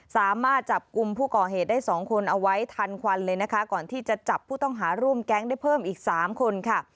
สามารถจับกลุ่มผู้ก่อเหตุได้สองคนเอาไว้ทันควันเลยนะคะก่อนที่จะจับผู้ต้องหาร่วมแก๊งได้เพิ่มอีก๓คนค่ะ